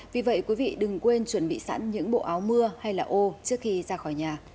vì vậy quý vị đừng quên chuẩn bị sẵn những bộ áo mưa hay là ô trước khi ra khỏi nhà